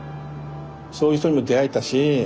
そういう人にも出会えたしま